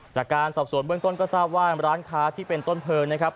จากการสอบสวนเบื้องต้นก็ทราบว่าร้านค้าที่เป็นต้นเพลิงนะครับ